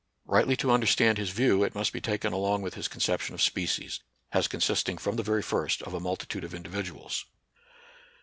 Eightly to un derstand his view, it must be taken along with his conception of species, as consisting from the very first of a multitude of individuals.